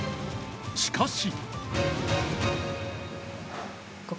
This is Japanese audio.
しかし。